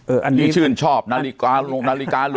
เอออันนี้นี่ชื่นชอบนาฬิกาลูกนาฬิกาลูก